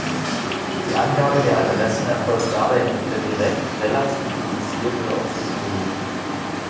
Die Angabe der Adressen erfolgt dabei entweder direkt, relativ, indiziert oder auch symbolisch.